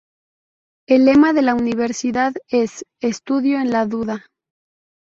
El lema de la universidad es "Estudio en la duda.